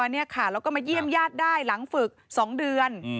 แล้วก็มาเยี่ยมญาติได้หลังฝึก๒เดือน